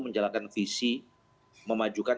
menjalankan visi memajukan